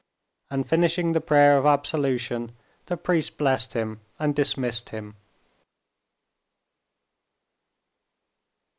and, finishing the prayer of absolution, the priest blessed him and dismissed him.